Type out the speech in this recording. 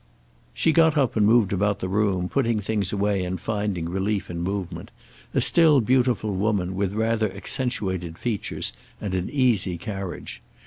She got up and moved about the room, putting things away and finding relief in movement, a still beautiful woman, with rather accentuated features and an easy carriage.